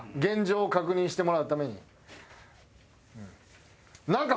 現状を確認してもらうために。